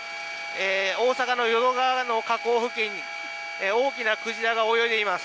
大阪の淀川の河口付近に大きなクジラが泳いでいます。